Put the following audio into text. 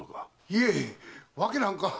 いえいえ訳なんか。